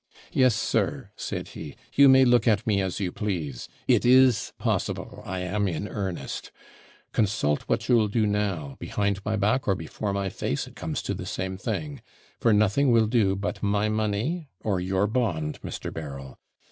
'Yes, sir,' said he, 'you may look at me as you please it is possible I am in earnest. Consult what you'll do now, behind my back or before my face, it comes to the same thing; for nothing will do but my money or your bond, Mr. Berryl.